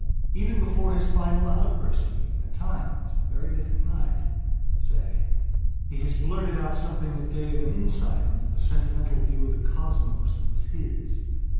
Even before his final outburst to me, at times, very late at night, say, he has blurted out something that gave an insight into the sentimental view of the cosmos that was his.